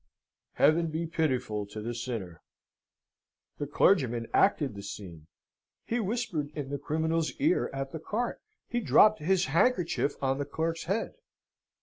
Heaven be pitiful to the sinner! The clergyman acted the scene. He whispered in the criminal's ear at the cart. He dropped his handkerchief on the clerk's head.